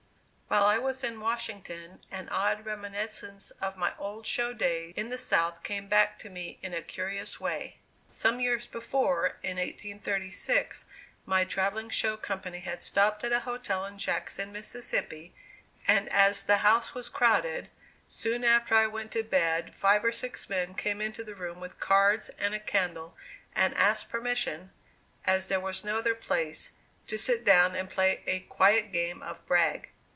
While I was in Washington an odd reminiscence of my old show days in the South came back to me in a curious way. Some years before, in 1836, my travelling show company had stopped at a hotel in Jackson, Mississippi, and, as the house was crowded, soon after I went to bed five or six men came into the room with cards and a candle and asked permission, as there was no other place, to sit down and play a quiet game of "brag."